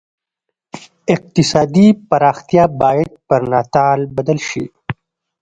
اقتصادي پراختیا باید پر ناتال بدل شي.